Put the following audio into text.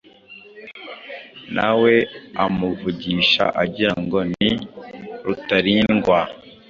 nawe amuvugisha agira ngo ni Rutalindwa,